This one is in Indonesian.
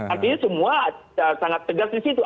artinya semua sangat tegas disitu